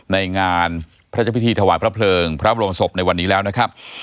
ในงานพระเจ้าพิธีถวายพระเพลิงพระบรมศพในวันนี้แล้วนะครับ